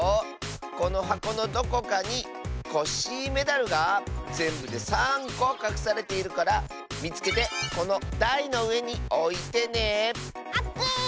このはこのどこかにコッシーメダルがぜんぶで３こかくされているからみつけてこのだいのうえにおいてね！オッケー！